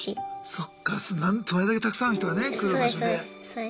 それだけたくさんの人がね来る場所で。